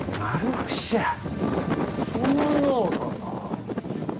そのようだな。